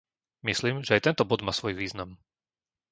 Myslím, že aj tento bod má svoj význam.